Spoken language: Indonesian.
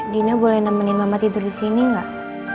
dina boleh nemenin mama tidur disini gak